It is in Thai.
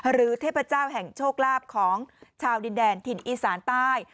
เทพเจ้าแห่งโชคลาภของชาวดินแดนถิ่นอีสานใต้